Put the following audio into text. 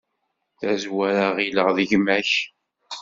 Tazwara ɣilleɣ d gma-k.